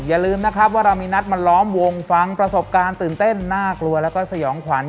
อย่าลืมนะครับว่าเรามีนัดมาล้อมวงฟังประสบการณ์ตื่นเต้นน่ากลัวแล้วก็สยองขวัญ